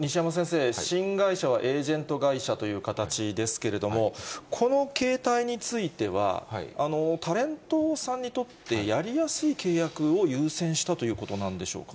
西山先生、新会社はエージェント会社という形ですけれども、この形態については、タレントさんにとってやりやすい契約を優先したということなんでしょうかね。